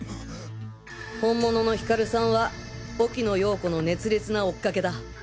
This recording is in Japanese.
本物のヒカルさんは沖野ヨーコの熱烈なおっかけだ。